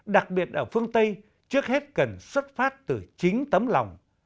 đặc biệt ở phương tây trước hết cần xuất phát từ chính tấm lòng